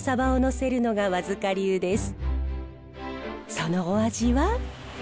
そのお味は？